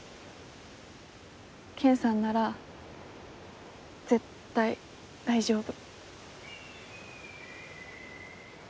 ケンさんなら絶対大丈夫。